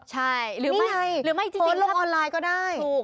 ใช่นี่ไงพ่นลงออนไลน์ก็ได้จริงค่ะถูก